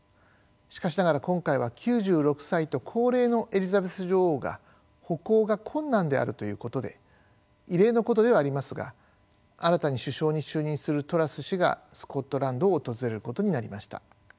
しかしながら今回は９６歳と高齢のエリザベス女王が歩行が困難であるということで異例のことではありますが新たに首相に就任するトラス氏がスコットランドを訪れることになりました。